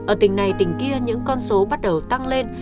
ở tỉnh này tỉnh kia những con số bắt đầu tăng lên